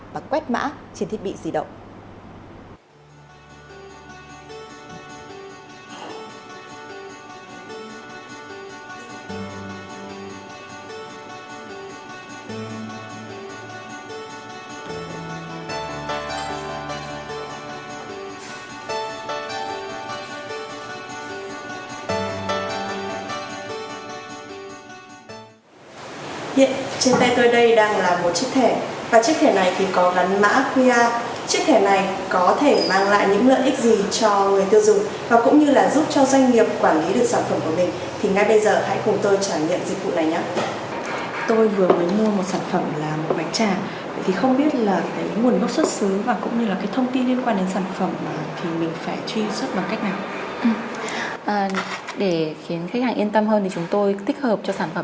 và qr sẽ xuất ra khi chúng tôi